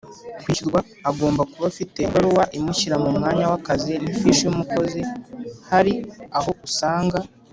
kwishyurwa agomba kuba afite ibaruwa imushyira mu mwanya w akazi n ifishi y umukozi Hari aho usanga